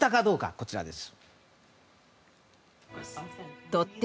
こちらです。